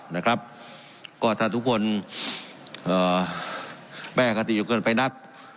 นะครับก็ถ้าทุกคนเอ่อแม่อคติอยู่เกินไปนัก